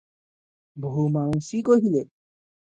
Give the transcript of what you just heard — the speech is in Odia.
ବୋହୂମାଉସୀ କହିଲେ --